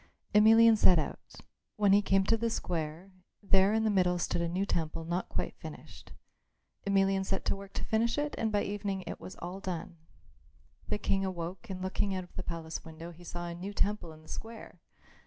Emelian set out. When he came to the square, there in the middle stood a new temple not quite finished. Emelian set to work to finish it and by the evening it was all done. The King awoke and looking out of the palace window he saw a new temple in the square.